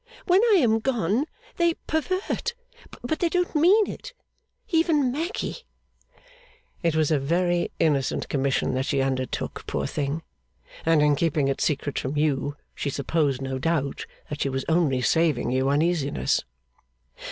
When I am gone, they pervert but they don't mean it even Maggy.' 'It was a very innocent commission that she undertook, poor thing. And in keeping it secret from you, she supposed, no doubt, that she was only saving you uneasiness.